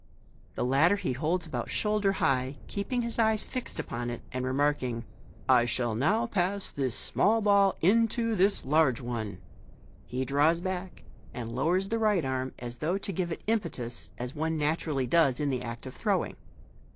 The latter he holds about shoulder high, keeping his eyes fixed upon it, and remarking, " I shall now pass this small ball into this large one," he draws back and lowers the right arm, as though to give it impetus, as one naturally does in the act of throwing.